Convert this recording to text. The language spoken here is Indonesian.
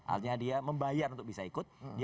artinya dia membayar untuk bisa ikut